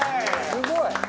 すごい！